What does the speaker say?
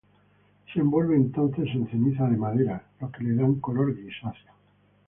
Se envuelve entonces en ceniza de madera, lo que le da un color grisáceo.